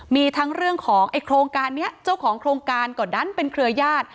มีทั้งเรื่องของไอ้โครงการนี้เจ้าของโครงการก็ดันเป็นเครือญาติ